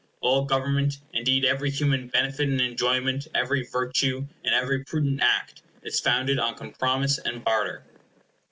All government, indeed every human benefit and enjoyment, every virtue, and every prudent act, is founded on compromise and barter.